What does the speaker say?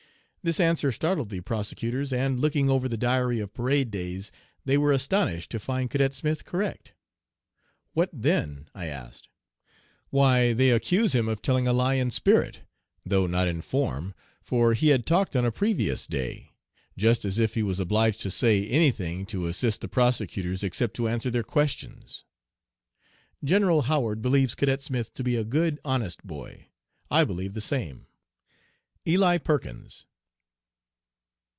"' "This answer startled the prosecutors, and, looking over the diary of parade days, they were astonished to find Cadet Smith correct. "'What then?' I asked. "'Why they accuse him of telling a lie in spirit, though not in form, for he had talked on a previous day. Just as if he was obliged to say any thing to assist the prosecutors except to answer their questions.' "General Howard believes Cadet Smith to be a good, honest boy. I believe the same. "ELI PERKINS."